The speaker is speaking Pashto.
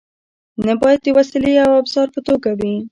نه باید د وسیلې او ابزار په توګه وي.